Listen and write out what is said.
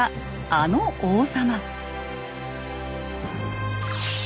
あの王様。